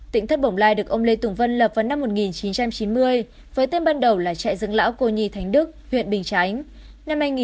tỉnh thất bồng lai được ông lê tùng vân lập vào năm một nghìn chín trăm chín mươi với tên ban đầu là trại dựng lão cô nhi thánh đức huyện bình chánh